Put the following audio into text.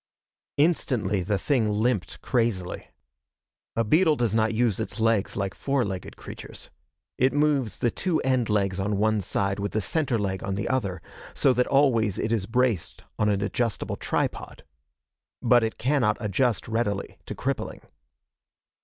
Instantly the thing limped crazily. A beetle does not use its legs like four legged creatures. It moves the two end legs on one side with the center leg on the other, so that always it is braced on an adjustable tripod. But it cannot adjust readily to crippling.